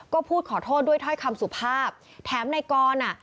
ก็พูดขอโทษด้วยถ้อยคำสุภาพแถมในกรอ่ะ